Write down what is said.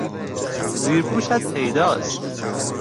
زیرپوشت پیداست!